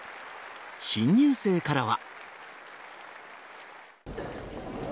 新入生からは。